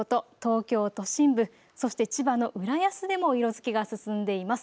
東京都心部、そして千葉の浦安でも色づきが進んでいます。